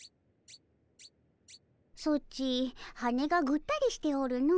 ソチ羽がぐったりしておるの。